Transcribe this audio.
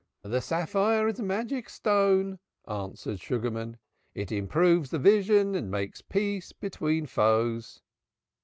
"The sapphire is a magic stone," answered Sugarman. "It improves the vision and makes peace between foes.